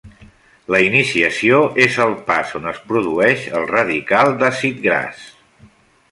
La iniciació és el pas on es produeix el radical d'àcid gras.